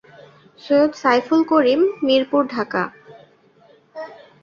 Syed Saiful Karim Mirpur, Dhaka.